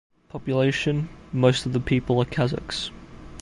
Population: Most of the people are Kazakhs.